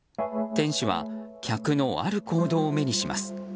店主は客のある行動を目にします。